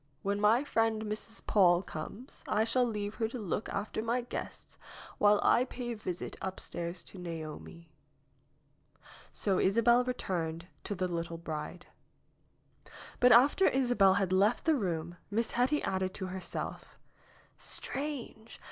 When my friend, Mrs. Paule, comes, I shall leave her to look after my guests while I pay a visit upstairs to Naomi." So Isabel returned to the little bride. But after Isabel had left the room Miss Hetty added to herself : "Strange !